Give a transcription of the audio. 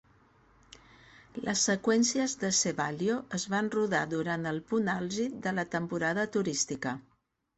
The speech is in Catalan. Les seqüències de Sevalio es van rodar durant el punt àlgid de la temporada turística.